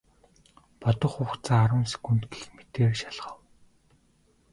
Бодох хугацаа арван секунд гэх мэтээр шалгав.